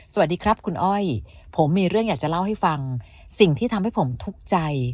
สวัสดีครับคุณอ้อยผมมีเรื่องอยากจะเล่าให้ฟังสิ่งที่ทำให้ผมทุกข์ใจ